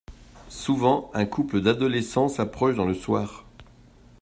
Souvent, un couple d’adolescents s’approche dans le soir.